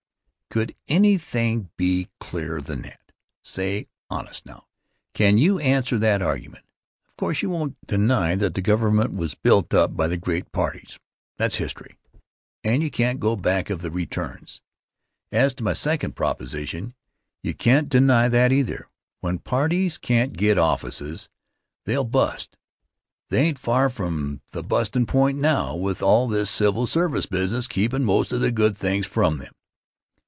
Could anything be clearer than that? Say, honest now; can you answer that argument? Of course you won't deny that the government was built up by the great parties. That's history, and you can't go back of the returns. As to my second proposition, you can't deny that either. When parties can't get offices, they'll bust. They ain't far from the bustin' point now, with all this civil service business keepin' most of the good things from them.